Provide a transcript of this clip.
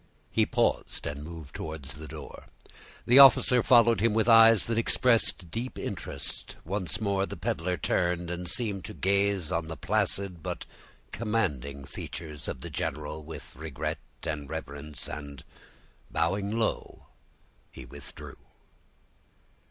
He paused, and moved towards the door. The officer followed him with eyes that expressed deep interest. Once more the peddler turned, and seemed to gaze on the placid, but commanding features of the general with regret and reverence, and, bowing low, he withdrew.